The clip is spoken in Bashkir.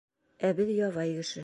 Ә беҙ ябай кеше.